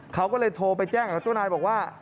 เขาก็เลยโทรไปแจ้งกับเจ้านายบอกว่า